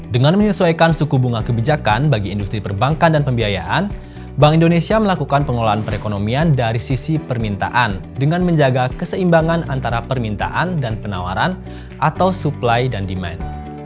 dengan menyesuaikan suku bunga kebijakan bagi industri perbankan dan pembiayaan bank indonesia melakukan pengelolaan perekonomian dari sisi permintaan dengan menjaga keseimbangan antara permintaan dan penawaran atau supply dan demand